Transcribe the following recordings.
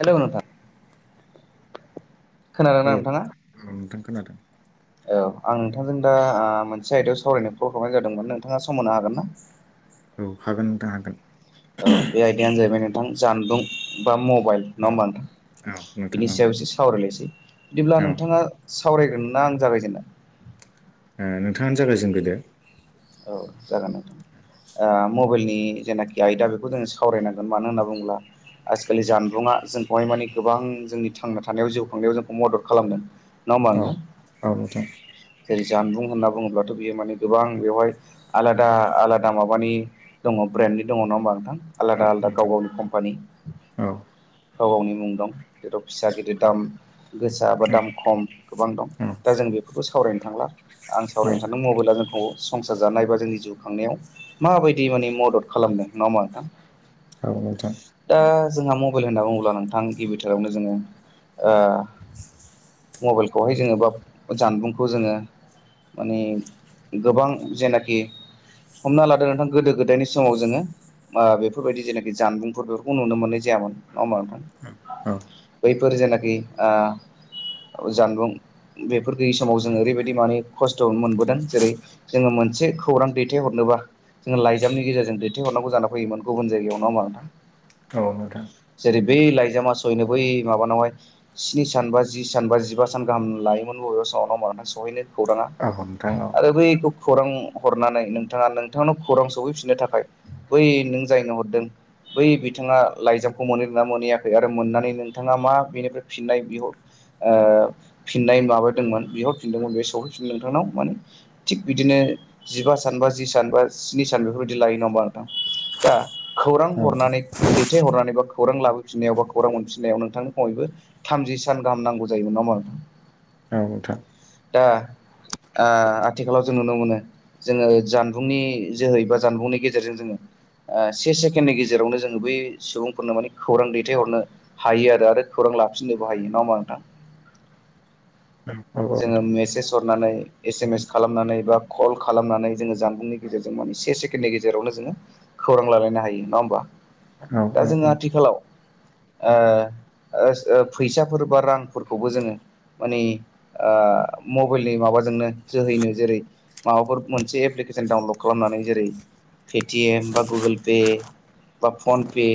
हेल नोंथां? खोनादों औ ना नोंथाङा? औ नोंथां खोनादों। औ आं नोंथांजों दा आ मोनसे आयदायाव सावरायनो कल हरनाय जादोंमोन नोंथाङा सम होनो हागोन ना? औ हागोन नोंथां हागोन। ओ बे आयदायानो जाहैबाय नोंथां जानबुं बा मबाइल नङा औ होमबा औ नोंथां? नोंथां बिनि औ सायाव एसे सावरायलायसै बिदिब्ला औ नोंथाङा सावरायग्रोनो ना आं जागायजेन्नो? ओ नोंथाङानो जागाय जेनग्रोदो। औ जागोन नोंथां। आ मबाइलनि जेनाखि आयदा बेखौ जोङो सावरायनांगोन मानो होनना बुङोब्ला आजिखालि जानबुंङा जोंखौहाय माने गोबां जोंनि थांना थानायाव जिउ खांनायाव जोंखौ मदद खालामदों। नङा होमबा औ नोंथां। औ नोंथां जेरै जानबुं होनना बुङोब्लाथ' बियो माने गोबां बेवहाय आलादा आलादा माबानि दङ ब्रेन्डनि दङ नङा होमबा नोंथां। औ आलादा आलादा गाव नोंथां गावनि कम्पानि। औ गाव गावनि मुं दं जेराव फिसा गिदिर दाम। गोसा बा दाम खम गोबां दं औ दा जों बेफोरखौ सावरायनो थांला। आं सावरायनो सानदों मबाइला जोंखौ संसार जानाय बा जोंनि जिउ खांनायाव माबायदि माने मदद खालामदों नङा होमबा नोंथां। औ नोंथां। दा जोंहा मबाइल होनना बुङोब्ला नोंथां गिबिथारावनो जोङो ओ मबाइलखौहाय जोङो बा जानबुंखौ जोङो माने गोबां जेनाखि हमना लादो नोंथां गोदो गोदायनि समाव जोङो ओ बेफोरबायदि जेनाखि जानबुंफोर बेफोरखौ नुनो मोननाय जायामोन नङा होमबा नोंथां। औ बैफोर जेनाखि आ जानबुं बेफोर गैयि समाव जों ओरैबायदि माने खस्थ' मोनबोदों जेरै जोङो मोनसे खौरां दैथायहरनोबा जोंङो लाइजामनि गेजेरजों दैथायहरनांगौ जाना फैयोमोन गुबुन जायगायाव नंङा होनबा‌ नोथां। औ नोंथां। जेरै बै लाइजामा सयनो बै माबानावहाय स्नि सान बा जि सान बा जिबा सान गाहाम लायोमोन बबेबा समाव नङा होनबा नोंथां सहैनो खौराङा। हमथाङाव [unintelligible] आरो बे [unintelligible] खौरां हरनानै नोंथाङा नोंथांनाव खौरां सफैफिननो थाखाय बै नों जायनो हरदों बै बिथाङा लाइजामखौ मोनो ना मोनहैयाखै आरो मोननानै नोंथाङा मा बेनिफ्राय फिननाय बिहर ओ फिननाय माबादोंमोन बिहर फिनदोंमोन बे सहैफिनदों नोंथांनाव माने थिग बिदिनो जिबा सान बा जि सान बा स्नि सान बेफोरबायदि लायो नङा होनबा‌ नोंथां। दा खौरां हरनानै दैथायहरनानै बा खौरां लाबोफिननायाव बा खौरां मोनफिननायाव नोंथांनि बयबो थामजि सान गाहाम नांगौ जायोमोन नंङा होनबा औ‌ नोंथां। दा ओ‌ आथि आथिखालाव जों नुनो मोनो जोङो जानबुंनि जोहै बा जानबुंनि गेजेरजों जोङो ओ से सेकेणडनि गेजेरावनो जोङो बै सुबुंफोरनो माने खौरां दैथायहरनो हायो आरो आरो खौरां लाफिननोबो हायो नङा होनबा‌ नोंथां। जोङो मेसेज सरनानै एसेमेस खालामनानै बा कल खालामनानै जोङो जानबुंनि गेजेरजों माने से सेकेण्डनि गेजेरावनो जोङो खौरां लालायनो हायो नङा होमबा दा जोङो आथिखालाव ओ फैसाफोर बा रांफोरखौबो जोङो माने ओ मबाइलनि माबाजोंनो जोहैनो जेरै माबाफोर मोनसे एप्लिकेसन डाउनलड खालामनानै जेरै पेटिएम बा गुगोल पे बा फनपे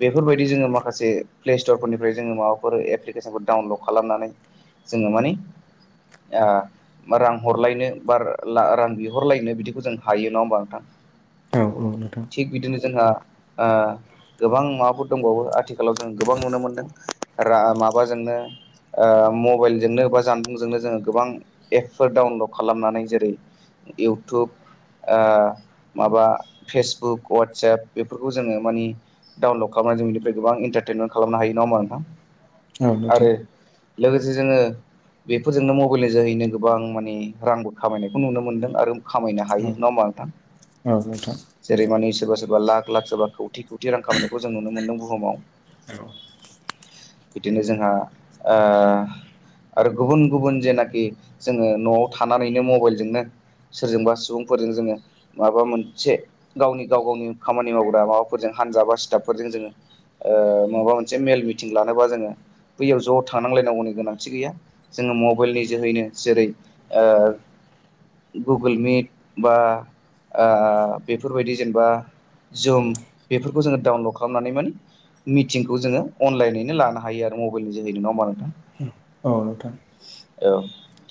बेफोरबायदि जोङो माखासे प्लेस्टरफोरनिफ्राय जोङो माबाफोर एप्लिकेसनखौ डाउनलड खालामनानै जोङो माने आ रां हरलायनो बा रां बिहरलायनो बिदिखौ जों हायो नङा होमबा नोंथां। थिग बिदिनो जोंहा ओ गोबां माबाफोर दंबावो आथिखालाव जों गोबां नुनो मोनदों रा माबाजोंनो ओ मबाइलजोंनो बा जानबुंजोंनो जोङो गोबां एपफोर डाउनलड खालामनानै जेरै इउटुब ओ माबा फेसबुक वाट्सएप बेफोरखौ जोङो मानि डाउलड खालाम जों बेनिफ्राय गोबां इन्टारटेनमेन्ट खालाम हायो नङा होनबा नोंथां। आरो लोगोसे जोङो बेफोरजोंनो मबाइलनि जोहैनो गोबां माने रांबो खामायनायखौ नुनो मोन्दों आरो खामायनो हायो नङा होमबा नोंथां। जेरै माने सोरबा -सोरबा लाख -लाख सोरबा खौथि- खौथि रां खामायनायखौ जों नुनो मोन्दों बुहुमाव बिदिनो जोंहा ओ आरो गुबुन - गुबुन जेनाखि जोङो न'आव थानानैनो मबाइलजोंनो सोरजोंबा सुबुंफोरजों जोङो माबा मोनसे गावनि गाव गावनि खामानि मावग्रा माबाफोरजों हानजा बा सिथाबफोरजों जोङो ओ माबा मोनसे मेल मिटिं लानोबा जोङो बैयाव ज' थांनांलायनांगौनि गोनांथि गैया। जोङो मबाइलनि जोहैनो जेरै ओ गुगोल मिट बा ओ‌ बेफोरबायदि जेनेबा जुम बेफोरखौ जोङो डाउनलड खालामनानै मोन मिटिंखौ जोङो अनलाइनैनो लानो हायो आरो मबाइलनि जोहै नंङा होनबा नोंथां। औ नोंथां। औ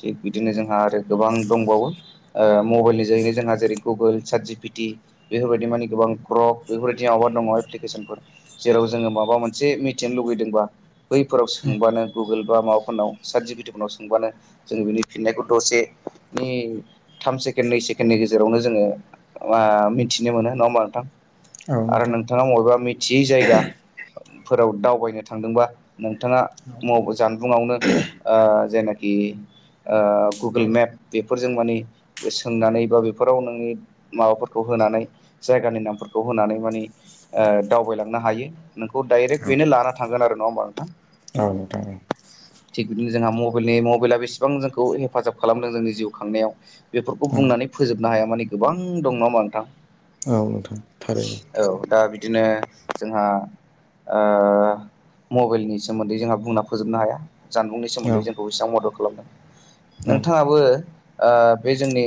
थिग बिदिनो जोंहा आरो गोबां दंबावो मबाइलनि जोहैनो जोंहा जेरै Google chat G P T बेफोरबायदि माने गोबां ग्रप बेफोरबायदि माबा दङ एप्लिकेसनफोर जेराव जोङो माबा मोनसे मिथिनो लुगैदोंबा बैफोराव सोंबानो गुगोल बा माबाफोरनाव साजबिटखनाव सोंबानो जोङो बिनि फिननायखौ दसेनि थाम सेकेण्ड नै सेकेणडनि गेजेरावनो जोङो मिथिनो मोनो नङा होमा नोंथां आरो नोंथाङा बबेबा मिथियै जायगा फोराव दावबायनो थांदोंबा नोंथाङा जानबुंआवनो जायनाखि गुगोल मेप बेफोरजों माने सोंनानै बा बेफोराव नोंनि माबाफोरखौ होनानै जायगानि नामफोरखौ होनानै माने ओ दावबायलांनो हायो नोंखौ डाइरेक्ट बेनो लाना थांगोन आरो नङा होमबा नोंथां औ नोंथां थिग बिदिनो जोंहा मबाइलनि मबाइला बेसेबां जोंखौ हेफाजाब खालामदों जोंनि जिउ खांनायाव बेफोरखौ औ बुंनानै फोजोबनो हाया माने गोबां दं नंआ होमबा नोंथां औ नोंथां थारैनो औ दा बिदिनो जोंहा मबाइलनि सोमोन्दै जोंहा बुंना फोजोबनो हाया जानबुंनि औ सोमोन्दै जों खौसेबां मदद खालामदों औ नोंथाङाबो बे जोंनि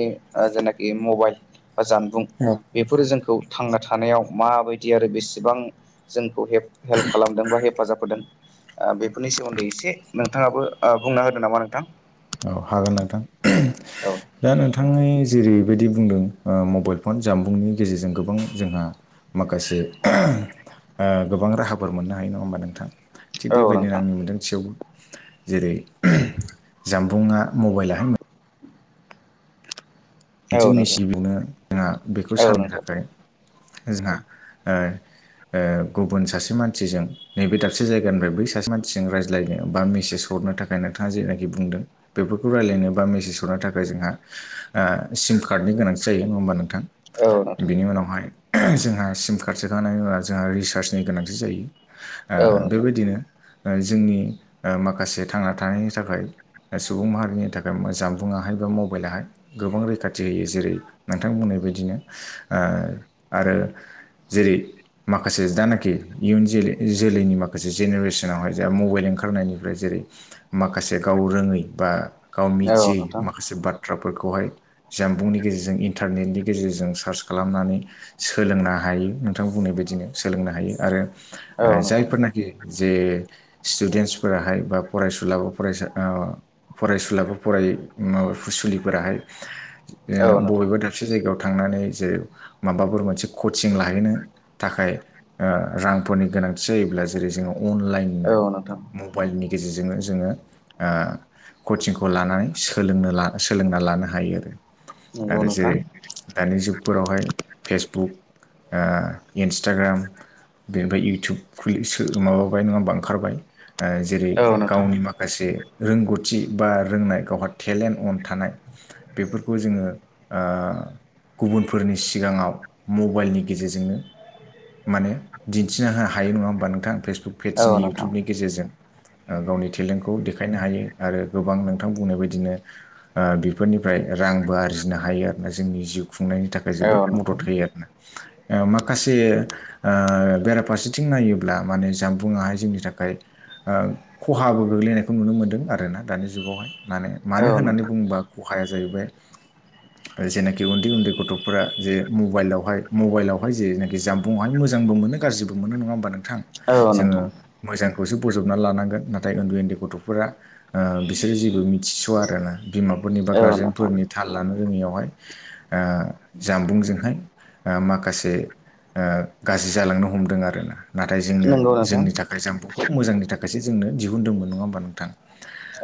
जेनाखि मबाइल बा जानबुं औ बेफोरो जोंखौ थांना थानायाव माबायदि आरो बेसेबां जोंखौ हेल्प खालामदों बा हेफाजाब होदों बेफोरनि सोमोन्दै एसे नोंथाङाबो बुंना होदो नामा नोंथां औ हागोन नोंथां औ दा नोंथाङनि जेरैबायदि बुंदों मबाइल फन जामबुंनि गेजेरजों गोबां जोंहा माखासे थिग औ बेबायदिनो नोंथां आंनि मोनदांथियावबो जेरै जामबुंआ मबाइलहाय मोने औ मोनसे नोंथां मेचन बेनो जोंहा बेखौ औ सालनो नोंथां थाखाय जोंहा गुबुन सासे मानसिजों नैबे दाबसे जायगानिफ्राय बै सासे मानसिजों रायज्लायनो बा मेसेज हरनो थाखाय थाखाय नोंथाङा जेनाखि बुंदों बेफोरखौ रायज्लायनो बा मेसेज हरनो थाखाय जोंहा सिम कार्डनि गोनांथि जायो नङा होमबा नोंथां औ नोंथां बिनि उनावहाय जोंहा सिम कार्ड सोखानाया जोंहा रिसार्जनि गोनांथि औ जायो नोंथां बेबायदिनो जोंनि माखासे थांना थानायनि थाखाय सुबुं माहारिनि थाखाय जानबुंङाहाय बा मबाइलहाय गोबां रो रैखाथि होयो जेरै नोंथांमोननाय बादिनो आरो जेरै माखासे जानाखि इयुन जोलै जोलैनि माखासे जेनेरेसनावहाय जोंहा मबाइल ओंखारनायनिफ्राय जेरै माखासे गाव रोङै बा गाव औ मिथियै नोंथां माखासे बाथ्राफोरखौहाय जामबुंनि गेजेरजों इन्टारनेटनि गेजेरजों सार्च खालामनानै सोलोंनो हायो नोंथां बुंनाय बदिनो सोलोंनो हायो आरो औ नोंथां जायफोरना जे स्टुडेन्सफोराहाय बा फरायसुलाबो फरायसा फरायसुला बा फराय माबा सुलि फोलानाय औ ओ नोंथां बबेबा थोर दबसे जायगायाव थांनानै जे माबाफोर मोनसे कचिं लाहैनो थाखाय रांफोरनि गोनांथि जायोब्ला जेरै जोङो अनलाइन औ नोंथां मबाइलनि गेजेरजोंनो जोङो कचिंखौ लानानै सोलों सोलोंना लानो हायो आरो नंगौ आरो नोंथां जेरै दानि जुगफोरावहाय फेसबुक इन्सटाग्राम बेनिफ्राय इउटुब खुलि माबाबाय नङाबा ओंखारबाय जेरै औ नोंथां गावनि माखासे माखासे रोंगौथि बा रोंनाय गावहा टेलेन्ट अन थानाय बेफोर खौ जोङो ओ गुबुनफोरनि सिगाङाव मबाइलनि गेजेरजोंनो माने दिन्थिनो होनो हायो नङा होमबा नोंथां फेसबुक औ पेजनि नोंथां इउटुबनि गेजेरजों ओ गावनि टेलेन्टखौ देखायनो हायो आरो गोबां नोंथां बुंनाय बायदिनो बेफोरनिफ्राय रांबो आरजिनो हायो आरोना जोंनि जिउ खुंनायनि थाखाय औ जोबोद नोंथां मदद होयो आरो ना ओ माखासे बेराफारसेथिं नायोब्ला माने जानबुंङाहाय जोंनि थाखाय ओ खहाबो गोग्लैनायखौ नुनो मोन्दों आरो ना दानि जुगावहाय माने औ मानो होननानै नोंथां बुंङोबा खहाया जाहैबाय जेनाखि उन्दै उन्दै गथ'फोरा जे मबाइलावहाय मबाइलावहाय जेनाखि जाम्ब बावहाय मोजांबो मोनो गाज्रिबो मोनो नङा होमबा नोंथां औ जोङो नोंथां मोजांखौसो बजबना लानांगोन नाथाय उन्दै उन्दै गथ'फोरा बिसोरो जेबो मिथिस' आरोना बिमाफोरनि बा औ नोंथां गारजेनफोरनि थाल लानो रोङियावहाय जामबुंजोंहाय माखासे गाज्रि जालांनो हमदों आरो ना नाथाय जोंनो नंगौ नोंथां जोंनि थाखाय जामबुंखौ मोजांनि थाखायसो जोंनो दिहुनदोंमोन नङा होमबा नोंथां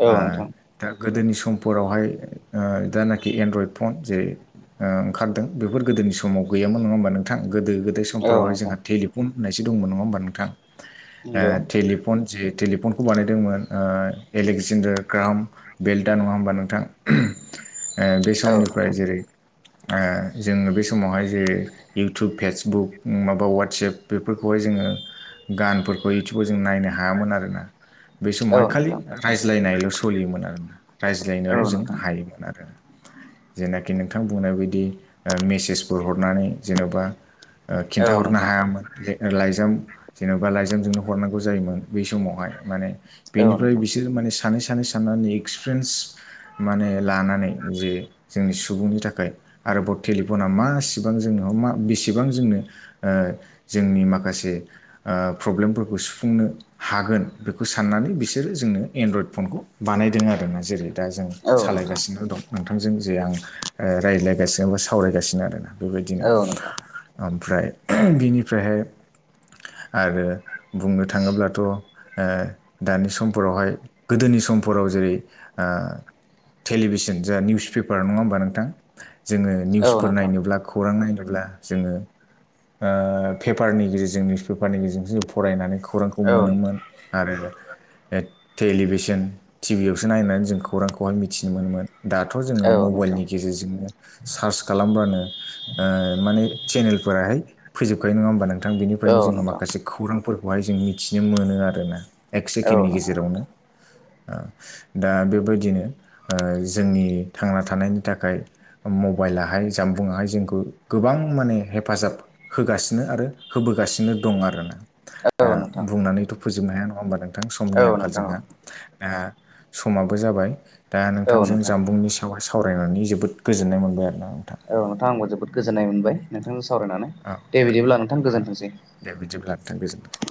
औ नोंथां दा गोदोनि समफोरावहाय ओ दा नाखि एन्ड्रइड फन जे ओ ओंखारदों बेफोर गोदोनि समाव गैयामोन नङा होमबा नोंथां गोदो गोदाय औ समफोरावहाय नोंथां जोंहा टेलिफ फन होननायसो दंमोन नङा होमबा नोंथां? ओ नंगौ टेलिफन जे टेलिफनखौ बानायदोंमोन ओ एलेगजेन्डार ग्राम बेल्टा नङा होमबा नोंथां ओ बे औ समनिफ्राय नोंथां जेरै ओ जोङो बे समावहाय जे इउटुब फेसबुक माबा वाटसेएप बेफोरखौहाय जोङो गानफोरखौ इटुबाव जों नायनो हायामोन आरोना बे औ समावहाय खालि नोंथां औ नोंथां रायज्लायनायल' सोलियोमोन आरोना औ रायज्लायनोल' जों नोंथां हायोमोन आरो जेनाखि नोंथां बुंनाय बायदि मेसेजफोर हरनानै जेन'बा ओ औ खिन्थाहरनो नोंथां हायामोन लाइजाम जेन'बा लाइजामजोंनो हरनांगौ जायोमोन बै समावहाय माने औ बेनिफ्राय नोंथां बिसोरो माने सानै सानै साननानै एक्सपिरियेन्स माने लानानै जे जोंनि सुबुंनि थाखाय आरोबाव टेलिफना मासेबां जोंनो मा बेसेबां जोंनो ओ जोंनि माखासे प्रब्लेमफोरखौ सुफुंनो हागोन बेखौ साननानै बिसोरो जोंनो एनड्रयड फनखौ बानायदों आरोना जेरै दा जों औ नोंथां सालायगासिनो दं नोंथांजों जे आं रायज्लायगासिनो बा सावरायगासिनो आरोना बेबायदिनो ओमफ्राय बिनिफ्रायहाय आरो बुंनो थाङोब्लाथ' ओ दानि समफोरावहाय गोदोनि समफोराव जेरै ओ टेलिभिसन जा निउस पेपार नङा होमबा नोंथां? जोङो औ नोंथां औ निउसफोर नोंथां नायनोब्ला खौरां नायनोब्ला जोङो ओ पेपारनि गेजेरजों निउस पेपारनि गेजेरजोंसो जों फरायनानै खौरांखौ औ नोंथां औ नोंथां औ मोनोमोन नोंथां आरो टेलिभिसन टिभियावसो नायनानै जों खौरांखौहाय मिथि मिथिनो मोनोमोन दाथ' जोङो औ नोंथां औ नोंथां मबाइलनि गेजेरजोंनो सार्च खालामबानो ओ माने चेनेलफोरावहाय होजोबखायो नङा होमबा नोंथां बेनिफ्रायनो औ जोङो माखासे खौरांफोरखौहाय जों मिथिनो मोनो आरोना एक सेकेन्डनि गेजेरावनो ओ दा बेबायदिनो ओ जोंनि थांना थानायनि थाखाय मबाइलाहाय जानबुङाहाय जोंखौ गोबां माने हेफाजाब होगासिनो आरो होबोगासिनो दं आरोना दा बुंनानैथ' फोजोबनो हाया नङा होमबा नोंथां समनि आंखाल नोंथां जोंहा दा समाबो जाबाय। दा औ नोंथांजों नोंथां जामबुंनि सायाव सावरायनानै जोबोद गोजोननाय मोनबाय आरोना नोंथां। औ नोंथां आं जोबोद गोजोन्नाय मोनबाय नोंथांजों सावरायनानै दे बिदिब्ला नोंथां औ गोजोन्थोंसै। दे बिदिब्ला नोंथांथों गोजोन्थोंसै।